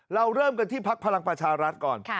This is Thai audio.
เราเริ่มกันที่พักพลังประชารัฐก่อน